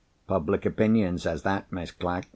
Public opinion says that, Miss Clack.